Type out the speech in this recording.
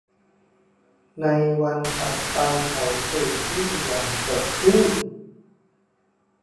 ในวันถัดไปเขาตื่นขึ้นอย่างสดชื่น